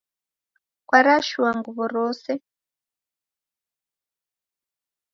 Kwarashua nguwo rose?